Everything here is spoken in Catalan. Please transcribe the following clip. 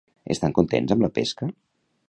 Estan contents amb la pesca?